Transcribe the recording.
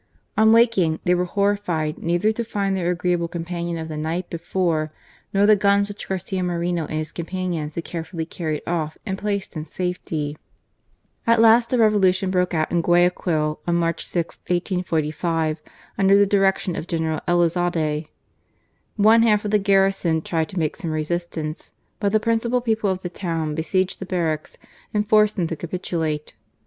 On waking they were horri fied neither to find their agreeable companion of the night before, nor the guns, which Garcia Moreno and his companions had carefully carried off and placed in safety. At last the Revolution broke out in Guayaquil on March 6, 1845, under the direction of General Elizalde. One half of the garrison tried to make some resistance : but the principal people of the town besieged the barracks and forced them ta capitulate.